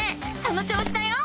その調子だよ！